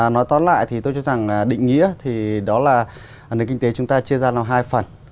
nói tóm lại thì tôi chắc rằng định nghĩa thì đó là nơi kinh tế chúng ta chia ra làm hai phần